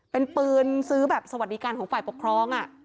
เป็นปืนซื้อแบบสวัสดิการของฝ่ายปกครอง